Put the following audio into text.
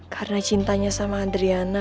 karena cintanya sama adriana